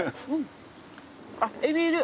あっエビいる。